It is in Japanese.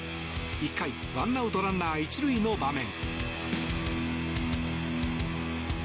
１回１アウト、ランナー１塁の場面。